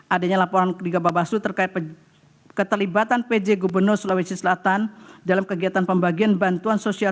adanya laporan ketiga bapak basu terkait keterlibatan pj gubernur sulawesi selatan dalam kegiatan pembagian bantuan sosial